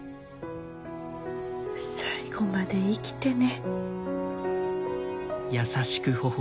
最後まで生きてね。